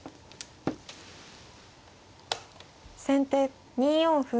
先手２四歩。